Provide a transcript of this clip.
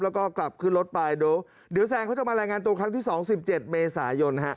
แล้วก็กลับขึ้นรถไปเดี๋ยวแซนเขาจะมารายงานตัวครั้งที่๒๗เมษายน